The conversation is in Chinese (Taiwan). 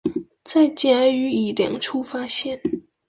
在甲與乙兩處發現